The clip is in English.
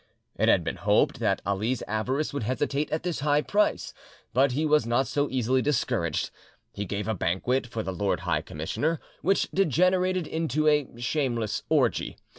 It had been hoped that Ali's avarice would hesitate at this high price, but he was not so easily discouraged. He give a banquet for the Lord High Commissioner, which degenerated into a shameless orgy.